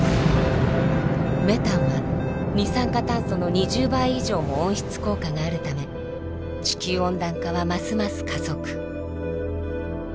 メタンは二酸化炭素の２０倍以上も温室効果があるため地球温暖化はますます加速。